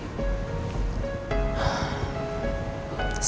tidak tidak bisa